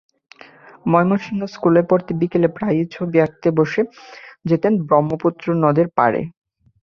ময়মনসিংহে স্কুলে পড়তে বিকেলে প্রায়ই ছবি আঁকতে বসে যেতেন ব্রহ্মপুত্র নদের পাড়ে।